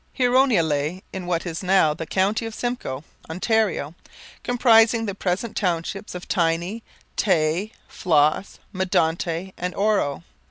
Huronia lay in what is now the county of Simcoe, Ontario, comprising the present townships of Tiny, Tay, Flos, Medonte, and Oro.